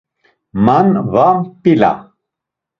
Man va mp̌ila.